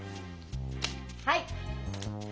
はい。